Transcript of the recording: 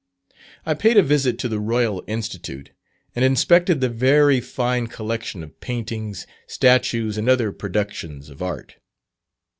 I paid a visit to the Royal Institute, and inspected the very fine collection of paintings, statues, and other productions of art.